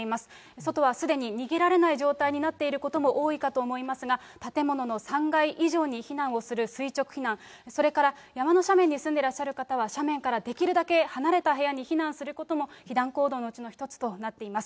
外はすでに逃げられない状態になっていることも多いかと思いますが、建物の３階以上に避難をする垂直避難、それから山の斜面に住んでらっしゃる方は斜面からできるだけはなれた部屋に避難することも、避難行動のうちの１つとなっています。